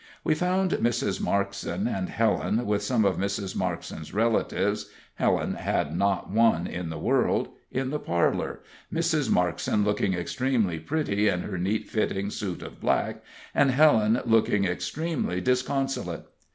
We found Mrs. Markson and Helen, with some of Mrs. Markson's relatives Helen had not one in the world in the parlor, Mrs. Markson looking extremely pretty in her neat fitting suit of black, and Helen looking extremely disconsolate.